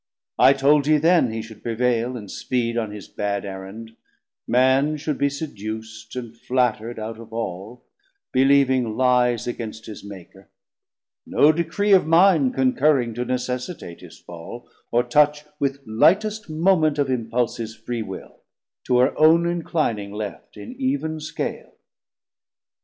I told ye then he should prevail and speed 40 On his bad Errand, Man should be seduc't And flatter'd out of all, believing lies Against his Maker; no Decree of mine Concurring to necessitate his Fall, Or touch with lightest moment of impulse His free Will, to her own inclining left In eevn scale.